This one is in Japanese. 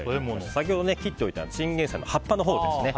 先ほど切っておいたチンゲンサイの葉っぱのほうです。